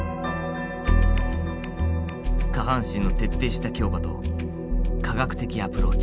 下半身の徹底した強化と科学的アプローチ。